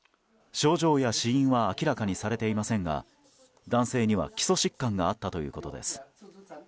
症状や死因は明らかにされていませんが男性には基礎疾患があったということです。